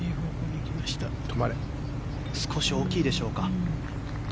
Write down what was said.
少し大きいでしょうか。